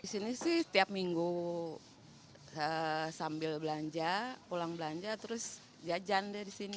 di sini sih tiap minggu sambil belanja pulang belanja terus jajan dia di sini